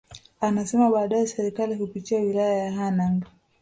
Anasema baadaye Serikali kupitia Wilaya ya Hanang